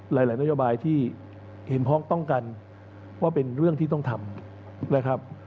หลายนโยบายที่เห็นพ้องต้องกันว่าเป็นเรื่องที่ต้องทำนะครับ